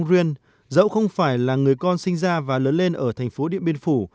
ông lưu công ruyên dẫu không phải là người con sinh ra và lớn lên ở thành phố điện biên phủ